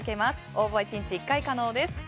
応募は１日１回可能です。